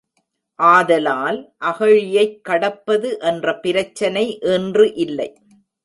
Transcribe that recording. ஆதலால் அகழியைக் கடப்பது என்ற பிரச்னை இன்று இல்லை.